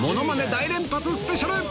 大連発スペシャル！